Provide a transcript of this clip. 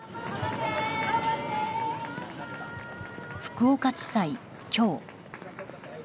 福岡地裁、今日。